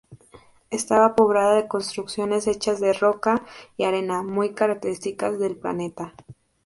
Estaba poblada de construcciones hechas de roca y arena muy características del planeta.